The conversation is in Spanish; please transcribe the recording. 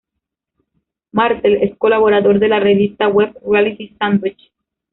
Martel es colaborador de la revista web "Reality Sandwich".